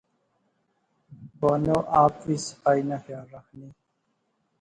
بانو آپ وی صفائی نا خیال رخنی